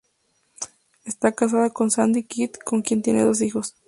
Está casada con Sandy Kidd, con quien tiene dos hijos.